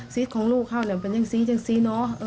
สิทธิ์ของลูกเข้าเป็นจังสีจังสีน้อ